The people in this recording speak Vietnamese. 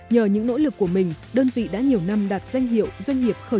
nhờ những nỗ lực của mình đơn vị đã nhiều năm đạt danh hiệu doanh nghiệp khởi